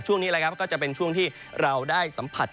ช่วงนี้ก็จะเป็นช่วงที่เราได้สัมผัส